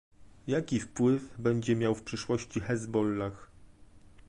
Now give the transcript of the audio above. Jaki wpływ będzie miał w przyszłości Hezbollah?